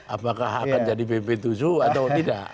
apakah akan jadi bp tujuh atau tidak